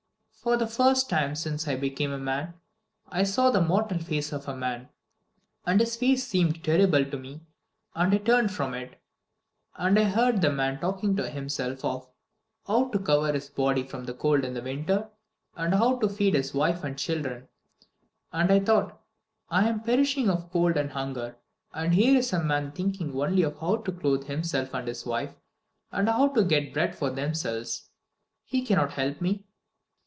For the first time since I became a man I saw the mortal face of a man, and his face seemed terrible to me and I turned from it. And I heard the man talking to himself of how to cover his body from the cold in winter, and how to feed wife and children. And I thought: 'I am perishing of cold and hunger, and here is a man thinking only of how to clothe himself and his wife, and how to get bread for themselves. He cannot help me.'